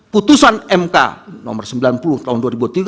putusan mk nomor sembilan puluh tahun dua ribu tiga